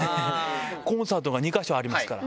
コンサートが２か所ありますから。